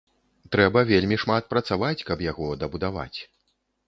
Трэба вельмі шмат працаваць, каб яго дабудаваць!